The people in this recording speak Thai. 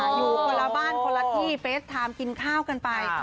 อยู่คนละบ้านคนละที่เฟสไทม์กินข้าวกันไป